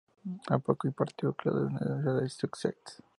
Al poco impartió clases en la Universidad de Sussex.